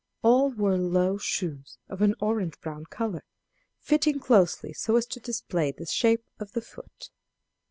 All wore low shoes of an orange brown color, fitting closely so as to display the shape of the foot.